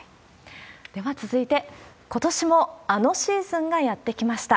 では続いて、ことしもあのシーズンがやって来ました。